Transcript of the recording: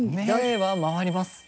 目は回ります。